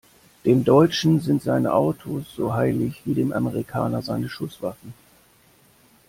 Dem Deutschen sind seine Autos so heilig wie dem Amerikaner seine Schusswaffen.